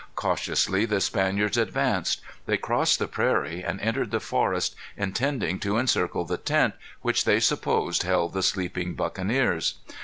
Cautiously the Spaniards advanced. They crossed the prairie, and entered the forest, intending to encircle the tent, which they supposed held the sleeping buccaneers.